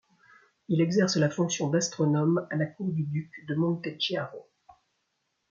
Il exerce la fonction d'astronome à la cour du duc de Montechiaro.